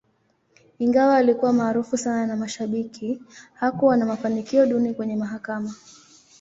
Ingawa alikuwa maarufu sana na mashabiki, hakuwa na mafanikio duni kwenye mahakama.